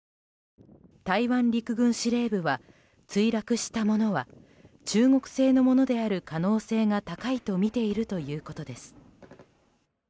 台湾陸軍司令部は墜落したものは中国製のものである可能性が高いとみているということです。